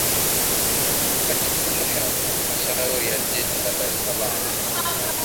Majukumu ya Halmashauri ya Jiji la Dar es Salaam